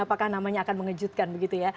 apakah namanya akan mengejutkan begitu ya